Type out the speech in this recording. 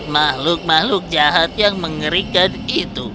makhluk makhluk jahat yang mengerikan itu